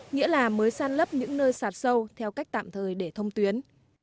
nghĩa là mới san lấp những nơi sạt sâu theo cách tạm thời để thông tuyến